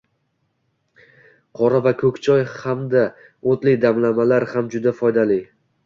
Qora va koʻk choy hamda oʻtli damlamalar ham juda foydali.